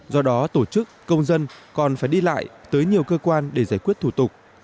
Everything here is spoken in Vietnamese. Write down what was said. do đó tổ chức công dân còn phải đi lại tới nhiều cơ quan để giải quyết thủ tục